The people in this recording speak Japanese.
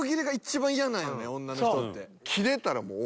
女の人って。